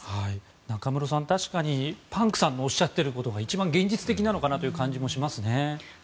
中室さん、確かにパンクさんのおっしゃっていることが一番現実的なのかなという感じもしますね。